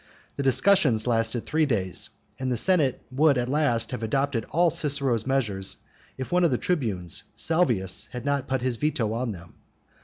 The discussion lasted three days, and the senate would at last have adopted all Cicero's measures if one of the tribunes, Salvius, had not put his veto on them.